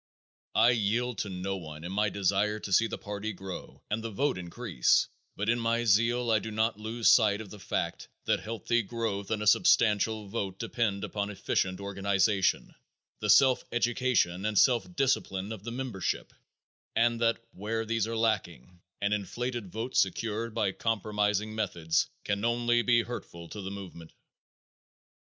I yield to no one in my desire to see the party grow and the vote increase, but in my zeal I do not lose sight of the fact that healthy growth and a substantial vote depend upon efficient organization, the self education and self discipline of the membership, and that where these are lacking, an inflated vote secured by compromising methods, can only be hurtful to the movement.